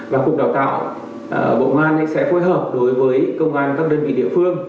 và cục đào tạo bộ công an sẽ phối hợp đối với công an các đơn vị địa phương